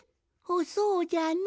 そうじゃのう。